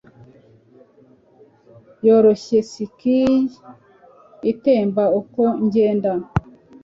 yoroshye silky itemba uko ngenda